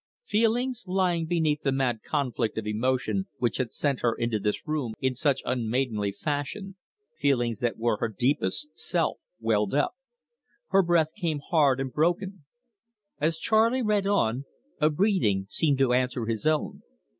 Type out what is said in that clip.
Feelings lying beneath the mad conflict of emotion which had sent her into this room in such unmaidenly fashion feelings that were her deepest self welled up. Her breath came hard and broken. As Charley read on, a breathing seemed to answer his own.